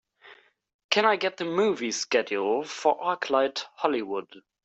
Can I get the movie schedule for ArcLight Hollywood